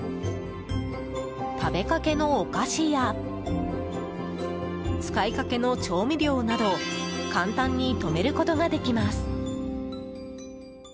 食べかけのお菓子や使いかけの調味料など簡単に止めることができます。